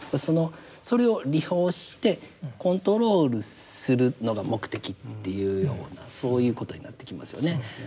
それを利用してコントロールするのが目的っていうようなそういうことになってきますよね。